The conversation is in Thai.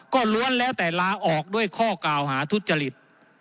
ก็ล้วนแล้วแต่ลาออกด้วยข้อกล่าวหาทุจริต